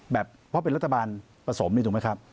แบบเพราะเป็นรัฐบาลประสงค์นี้ถูกไหมครับ